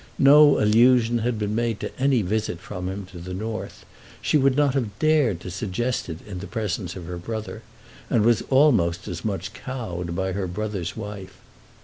No allusion had been made to any visit from him to the North. She would not have dared to suggest it in the presence of her brother, and was almost as much cowed by her brother's wife.